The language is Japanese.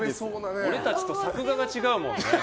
俺たちと作画が違うもんね。